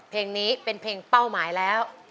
เพลงนี้เป็นเพลงเป้าหมายแล้ว